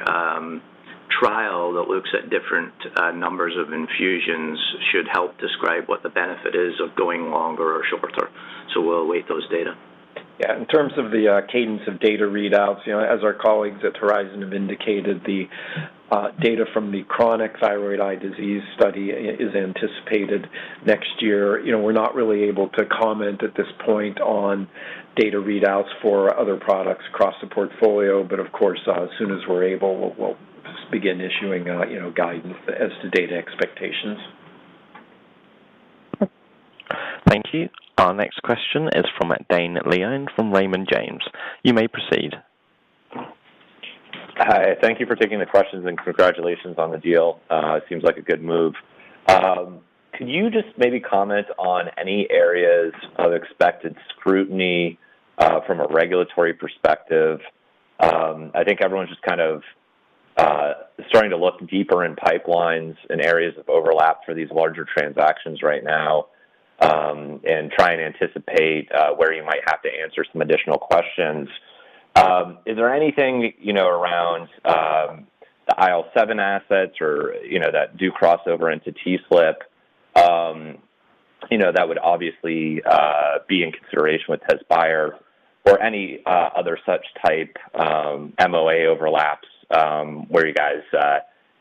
trial that looks at different numbers of infusions should help describe what the benefit is of going longer or shorter. We'll await those data. Yeah. In terms of the cadence of data readouts, you know, as our colleagues at Horizon have indicated, the data from the Chronic Thyroid Eye Disease study is anticipated next year. You know, we're not really able to comment at this point on data readouts for other products across the portfolio, but of course, as soon as we're able, we'll begin issuing, you know, guidance as to data expectations. Thank you. Our next question is from Dane Leone from Raymond James. You may proceed. Hi. Thank you for taking the questions, and congratulations on the deal. It seems like a good move. Could you just maybe comment on any areas of expected scrutiny from a regulatory perspective? I think everyone's just kind of starting to look deeper in pipelines and areas of overlap for these larger transactions right now, and try and anticipate where you might have to answer some additional questions. Is there anything, you know, around the IL-7 assets or, you know, that do cross over into TSLP, you know, that would obviously be in consideration with Tezspire buyer or any other such type MOA overlaps where you guys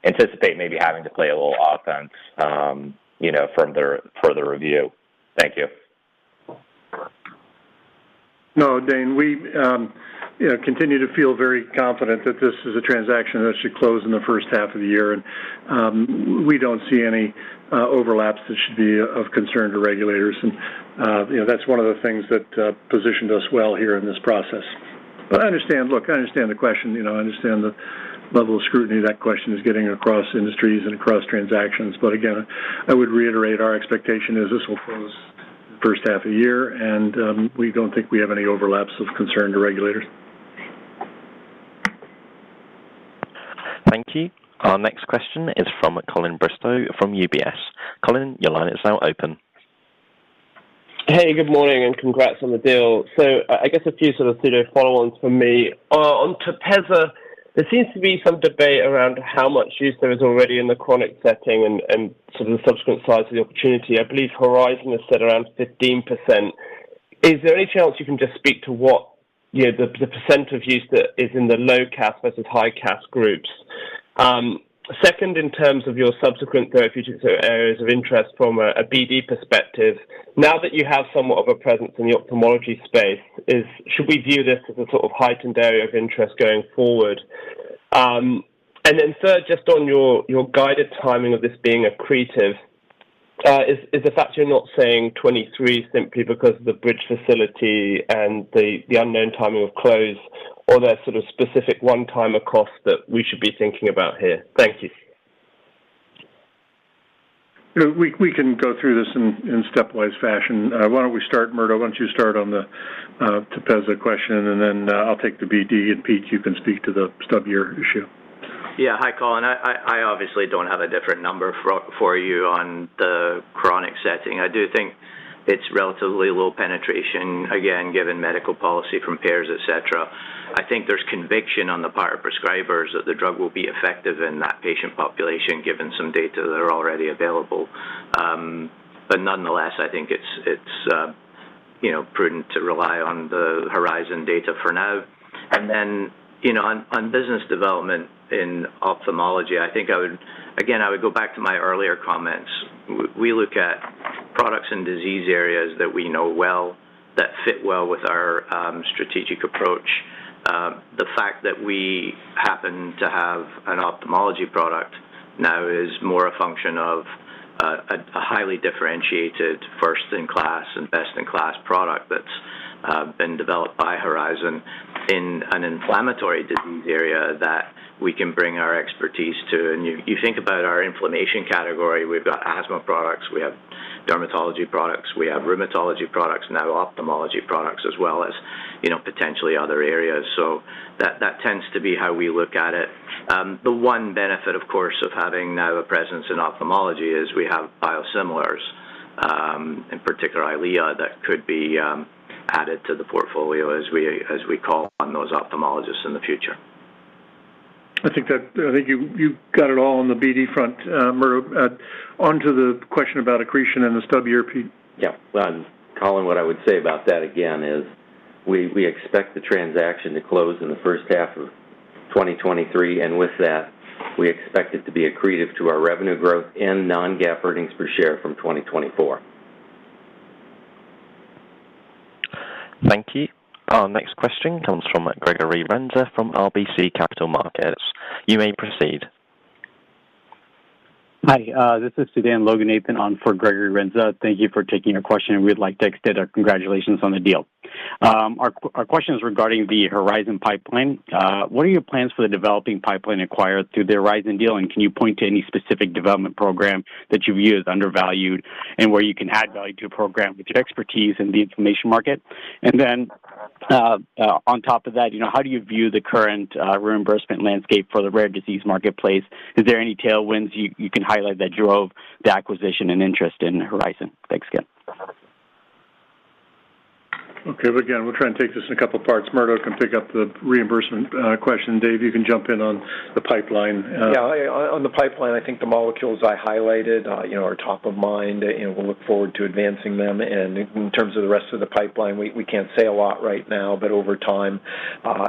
anticipate maybe having to play a little offense, you know, further, for the review? Thank you. No, Dane, we, you know, continue to feel very confident that this is a transaction that should close in the first half of the year. We don't see any overlaps that should be of concern to regulators. You know, that's one of the things that positioned us well here in this process. I understand. Look, I understand the question. You know, I understand the level of scrutiny that question is getting across industries and across transactions. Again, I would reiterate our expectation is this will close the first half of the year, and we don't think we have any overlaps of concern to regulators. Thank you. Our next question is from Colin Bristow from UBS. Colin, your line is now open. Hey, good morning, and congrats on the deal. I guess a few sort of pseudo follow-ons from me. On TEPEZZA, there seems to be some debate around how much use there is already in the chronic setting, and sort of the subsequent size of the opportunity. I believe Horizon has said around 15%. Is there any chance you can just speak to what, you know, the percent of use that is in the low CAS versus high CAS groups? Second, in terms of your subsequent therapeutic areas of interest from a BD perspective, now that you have somewhat of a presence in the ophthalmology space, should we view this as a sort of heightened area of interest going forward? Third, just on your guided timing of this being accretive, the fact you're not saying 2023 simply because of the bridge facility and the unknown timing of close, or are there sort of specific one-time costs that we should be thinking about here? Thank you. We can go through this in stepwise fashion. Why don't we start, Murdo, why don't you start on the TEPEZZA question, and then I'll take the BD, and Pete, you can speak to the stub year issue. Yeah. Hi, Colin. I obviously don't have a different number for you on the chronic setting. I do think it's relatively low penetration, again, given medical policy from payers, et cetera. I think there's conviction on the part of prescribers that the drug will be effective in that patient population, given some data that are already available. Nonetheless, I think it's, you know, prudent to rely on the Horizon data for now. You know, on business development in ophthalmology, I think I would--again, I would go back to my earlier comments. We look at products and disease areas that we know well, that fit well with our strategic approach. The fact that we happen to have an ophthalmology product now is more a function of a highly differentiated first-in-class and best-in-class product that's been developed by Horizon in an inflammatory disease area that we can bring our expertise to. You think about our inflammation category, we've got asthma products, we have dermatology products, we have rheumatology products, now ophthalmology products, as well as, you know, potentially other areas. That tends to be how we look at it. The one benefit, of course, of having now a presence in ophthalmology is we have biosimilars, in particular Eylea, that could be added to the portfolio as we call on those ophthalmologists in the future. I think that, I think you got it all on the BD front, Murdo. Onto the question about accretion and the stub year, Pete. Yeah. Colin, what I would say about that again is we expect the transaction to close in the first half of 2023, and with that, we expect it to be accretive to our revenue growth and non-GAAP earnings per share from 2024. Thank you. Our next question comes from Sudan Loganathan from RBC Capital Markets. You may proceed. Hi. This is Sudan Loganathan on for Grégory Renza. Thank you for taking our question, and we'd like to extend our congratulations on the deal. Our question is regarding the Horizon pipeline. What are your plans for the developing pipeline acquired through the Horizon deal, and can you point to any specific development program that you view as undervalued and where you can add value to a program with your expertise in the inflammation market? Then, on top of that, you know, how do you view the current reimbursement landscape for the rare disease marketplace? Is there any tailwinds you can highlight that drove the acquisition and interest in Horizon? Thanks again. Okay. Again, we'll try and take this in a couple parts. Murdo can pick up the reimbursement question. Dave, you can jump in on the pipeline. Yeah. On, on the pipeline, I think the molecules I highlighted, you know, are top of mind, and we'll look forward to advancing them. In terms of the rest of the pipeline, we can't say a lot right now, but over time,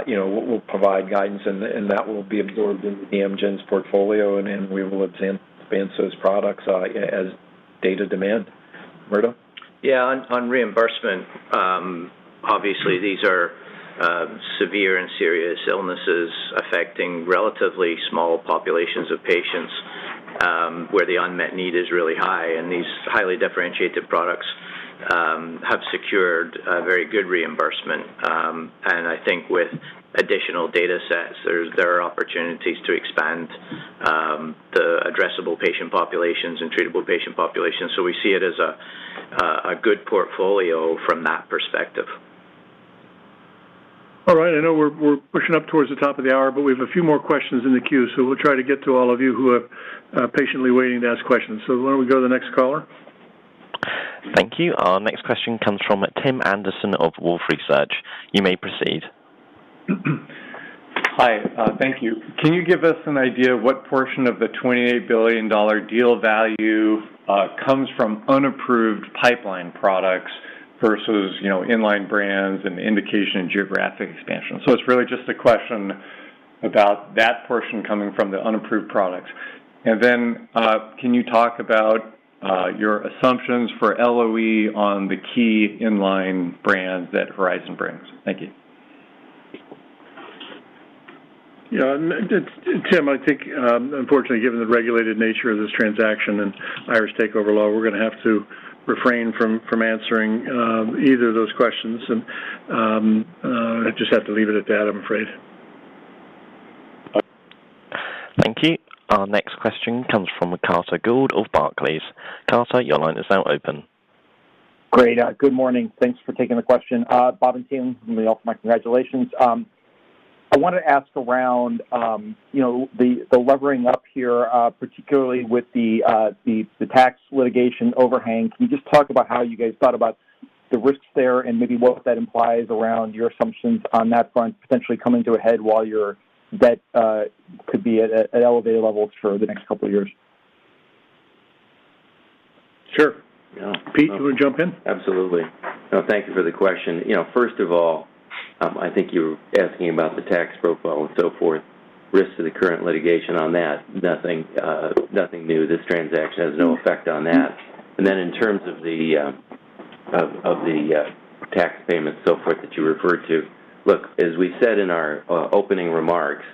you know, we'll provide guidance and that will be absorbed into Amgen's portfolio, and then we will advance those products as data demand. Murdo? Yeah. On, on reimbursement, obviously these are severe and serious illnesses affecting relatively small populations of patients, where the unmet need is really high. These highly differentiated products have secured a very good reimbursement. I think with additional datasets, there are opportunities to expand the addressable patient populations and treatable patient populations. We see it as a good portfolio from that perspective. All right. I know we're pushing up towards the top of the hour, but we have a few more questions in the queue, so we'll try to get to all of you who are patiently waiting to ask questions. Why don't we go to the next caller? Thank you. Our next question comes from Tim Anderson of Wolfe Research. You may proceed. Hi. Thank you. Can you give us an idea of what portion of the $28 billion deal value comes from unapproved pipeline products versus, you know, in-line brands and indication in geographic expansion? It's really just a question about that portion coming from the unapproved products. Can you talk about your assumptions for LOE on the key in-line brands that Horizon brings? Thank you. Yeah. Tim, I think, unfortunately, given the regulated nature of this transaction and Irish takeover law, we're gonna have to refrain from answering either of those questions. I just have to leave it at that, I'm afraid. Okay. Thank you. Our next question comes from Carter Gould of Barclays. Carter, your line is now open. Great. Good morning. Thanks for taking the question. Bob and team, let me offer my congratulations. I wanna ask around, you know, the levering up here, particularly with the tax litigation overhang. Can you just talk about how you guys thought about the risks there and maybe what that implies around your assumptions on that front potentially coming to a head while your debt could be at elevated levels for the next couple years? Sure. Pete, do you wanna jump in? Absolutely. No, thank you for the question. You know, first of all, I think you're asking about the tax profile and so forth, risks to the current litigation on that. Nothing, nothing new. This transaction has no effect on that. In terms of the of the tax payments, so forth, that you referred to, look, as we said in our opening remarks,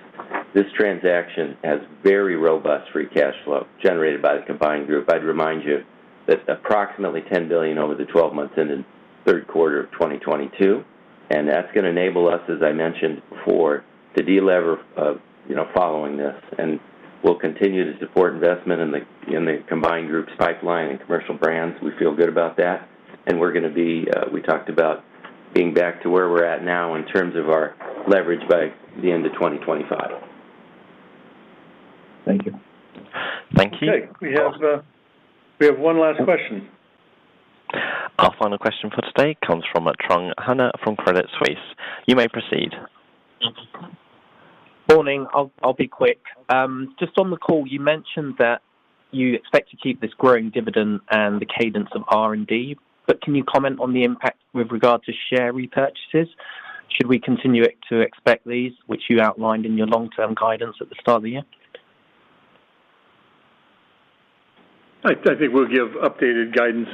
this transaction has very robust free cash flow generated by the combined group. I'd remind you that approximately $10 billion over the 12 months ended third quarter of 2022, and that's gonna enable us, as I mentioned before, to delever, you know, following this. We'll continue to support investment in the combined group's pipeline and commercial brands. We feel good about that, and we're gonna be, we talked about being back to where we're at now in terms of our leverage by the end of 2025. Thank you. Thank you. Okay. We have one last question. Our final question for today comes from Trung Huynh from Credit Suisse. You may proceed. Morning. I'll be quick. Just on the call, you mentioned that you expect to keep this growing dividend and the cadence of R&D, can you comment on the impact with regard to share repurchases? Should we continue to expect these, which you outlined in your long-term guidance at the start of the year? I think we'll give updated guidance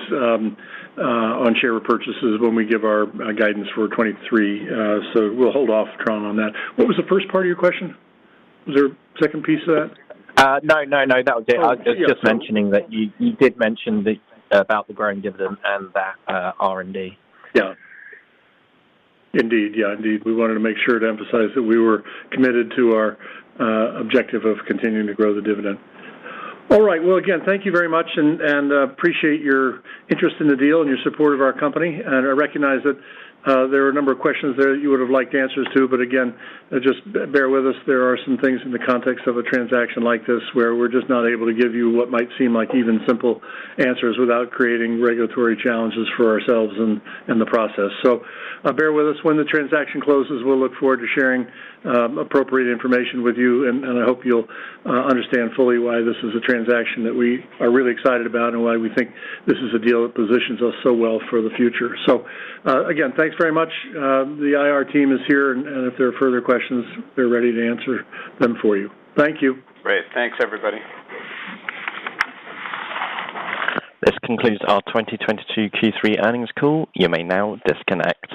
on share repurchases when we give our guidance for 2023. We'll hold off, Trung, on that. What was the first part of your question? Was there a second piece to that? No, no. That was it. Oh, yeah. I was just mentioning that you did mention about the growing dividend and that R&D. Indeed. We wanted to make sure to emphasize that we were committed to our objective of continuing to grow the dividend. Well, again, thank you very much and appreciate your interest in the deal and your support of our company. I recognize that there are a number of questions there you would have liked answers to, but again, just bear with us. There are some things in the context of a transaction like this where we're just not able to give you what might seem like even simple answers without creating regulatory challenges for ourselves in the process. Bear with us. When the transaction closes, we'll look forward to sharing, appropriate information with you, and I hope you'll understand fully why this is a transaction that we are really excited about and why we think this is a deal that positions us so well for the future. Again, thanks very much. The IR team is here, and if there are further questions, they're ready to answer them for you. Thank you. Great. Thanks, everybody. This concludes our 2022 Q3 earnings call. You may now disconnect.